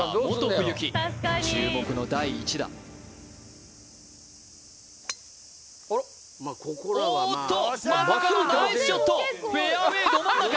冬樹注目の第１打おっとまさかのナイスショットフェアウェイど真ん中